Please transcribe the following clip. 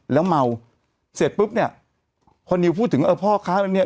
แล้วเมาเสร็จปุ๊บเนี่ยพอนิวพูดถึงเออพ่อค้าแบบนี้